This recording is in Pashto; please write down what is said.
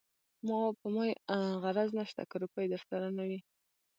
په ما يې غرض نشته که روپۍ درسره نه وي.